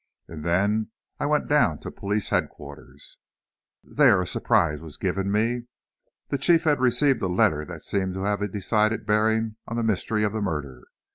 And then I went down to Police Headquarters. There a surprise was given me. The Chief had received a letter that seemed to have a decided bearing on the mystery of the murder.